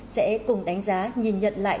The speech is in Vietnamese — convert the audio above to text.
sẽ cùng đánh giá nhìn nhận lại